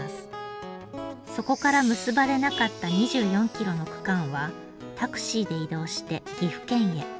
そこから結ばれなかった２４キロの区間はタクシーで移動して岐阜県へ。